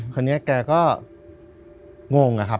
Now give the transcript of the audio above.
คนนี้แกก็งงอะครับ